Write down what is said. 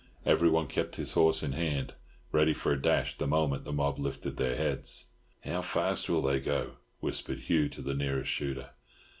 Everyone kept his horse in hand, ready for a dash the moment the mob lifted their heads. "How fast will they go?" whispered Hugh to the nearest shooter.